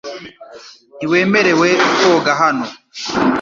Ntiwemerewe koga hano .